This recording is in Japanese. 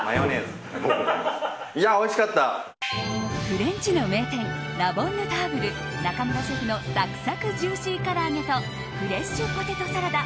フレンチの名店ラ・ボンヌターブル中村シェフのサクサクジューシーから揚げとフレッシュポテトサラダ。